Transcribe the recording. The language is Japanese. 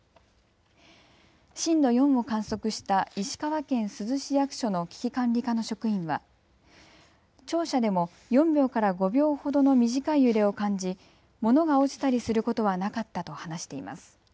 震度４を観測した石川県珠洲市役所の危機管理課の職員は庁舎でも４秒から５秒ほどの短い揺れを感じ物が落ちたりすることはなかったと話しています。